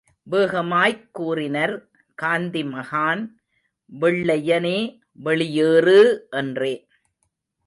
வேகமாய்க் கூறினர் காந்திமகான், வெள்ளைய னே, வெளி யேறு! என்றே.